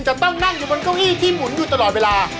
จะต้องนั่งอยู่บนเก้าอี้ที่หมุนอยู่ตลอดเวลา